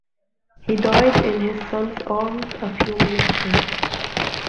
He died in his son's arms a few minutes later.